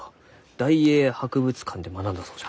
大英博物館で学んだそうじゃ。